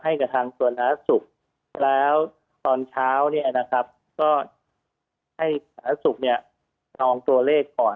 ให้กับทางส่วนร้าศุกร์แล้วตอนเช้าเนี่ยนะครับก็ให้ร้าศุกร์เนี่ยนองตัวเลขก่อน